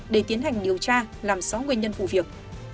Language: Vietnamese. để tiến hành điều tra làm rõ nguyên nhân vụ việc